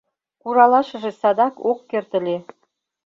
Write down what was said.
— Куралашыже садак ок керт ыле.